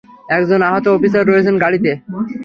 একজন আহত অফিসার রয়েছেন গাড়িতে।